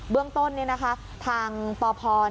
เบื้องต้นนี่นะคะทางปพ